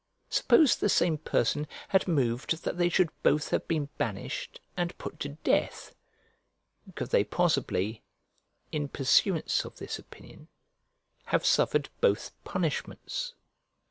Suppose the same person had moved that they should both have been banished and put to death, could they possibly, in pursuance of this opinion, have suffered both punishments?